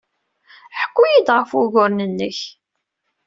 Ḥku-iyi-d ɣef wuguren-nnek.